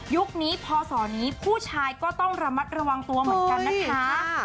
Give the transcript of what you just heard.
นี้พศนี้ผู้ชายก็ต้องระมัดระวังตัวเหมือนกันนะคะ